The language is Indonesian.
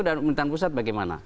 dan pemerintahan pusat bagaimana